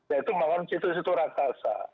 yaitu menganggap situ situ raksasa